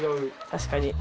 確かに。